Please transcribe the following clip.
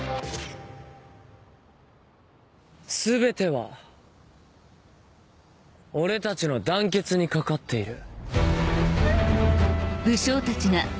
全ては俺たちの団結に懸かっている。